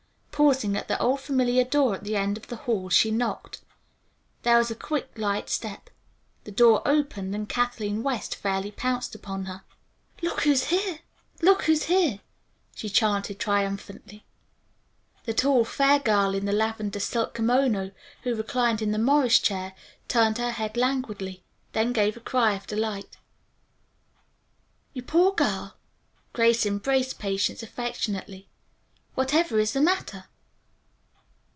Pausing at the old familiar door at the end of the hall, she knocked. There was a quick, light step. The door opened and Kathleen West fairly pounced upon her. "Look who's here! Look who's here!" she chanted triumphantly. The tall, fair girl in the lavender silk kimono, who reclined in the Morris chair, turned her head languidly, then gave a cry of delight. "You poor girl!" Grace embraced Patience affectionately. "Whatever is the matter?"